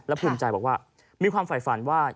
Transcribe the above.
และภูมิใจบอกว่ามีความฝ่ายฝันว่า